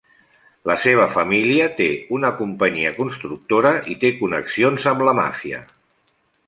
La seva família té una companyia constructora i té connexions amb la màfia.